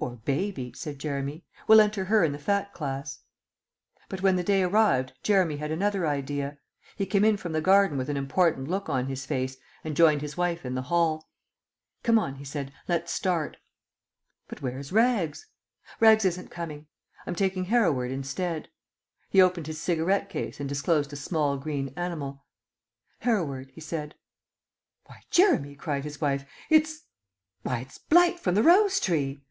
"Or Baby," said Jeremy. "We'll enter her in the Fat Class." But when the day arrived Jeremy had another idea. He came in from the garden with an important look on his face, and joined his wife in the hall. "Come on," he said. "Let's start." "But where's Rags?" "Rags isn't coming. I'm taking Hereward instead." He opened his cigarette case and disclosed a small green animal. "Hereward," he said. "Why, Jeremy," cried his wife, "it's why, it's blight from the rose tree!"